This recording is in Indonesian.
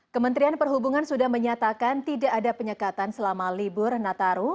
kementerian perhubungan sudah menyatakan tidak ada penyekatan selama libur nataru